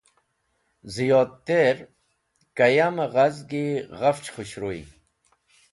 Ziyodter, kayam-e ghazgi ghafch khũshruy.